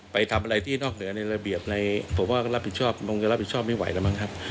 ไปทำอะไรที่นอกเหนือในระเบียบอะไรผมว่าก็รับผิดชอบคงจะรับผิดชอบไม่ไหวแล้วมั้งครับ